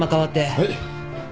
はい。